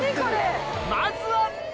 まずは！